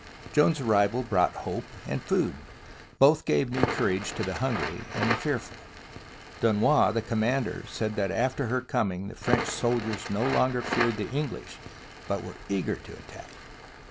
Joan's arrival brought hope and food. Both gave new courage to the hungry and the fearful. Du nois, the commander, said that after her coming the French soldiers no longer feared the English, but were eager to attack.